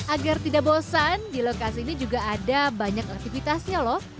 agar tidak bosan di lokasi ini juga ada banyak aktivitasnya loh